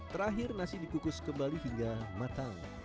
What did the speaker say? terakhir nasi dikukus kembali hingga matang